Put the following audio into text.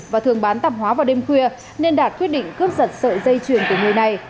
và thường bán tạp hóa vào đêm khuya nên đạt quyết định cướp giật sợi dây chuyền của người này